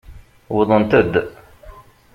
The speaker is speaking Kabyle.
Wwḍent-d.